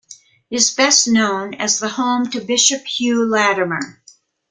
It is best known as the home to Bishop Hugh Latimer.